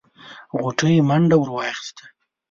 غوټۍ منډه ور واخيسته.